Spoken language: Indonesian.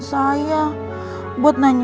tapi dia udah nanya